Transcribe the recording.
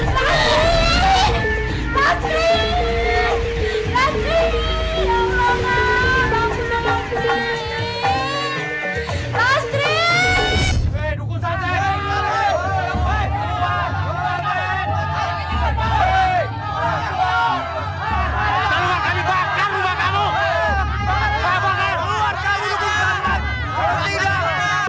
bapak kami lakukan